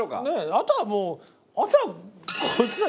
あとはもうあとは。